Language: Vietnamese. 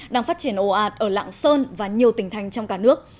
đang phát triển ồ ạt ở lạng sơn và nhiều tỉnh thành trong cả nước